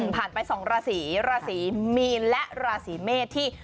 อ๋อผ่านไปสองราศรีราศรีมีนและราศรีเมธิ